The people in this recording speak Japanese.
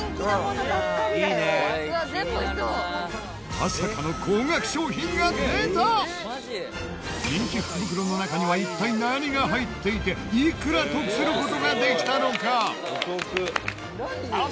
まさかの人気福袋の中には一体何が入っていていくら得する事ができたのか？